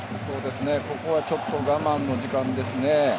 ここはちょっと我慢の時間ですね。